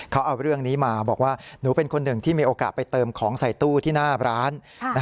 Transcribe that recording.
เขาเอาเรื่องนี้มาบอกว่าหนูเป็นคนหนึ่งที่มีโอกาสไปเติมของใส่ตู้ที่หน้าร้าน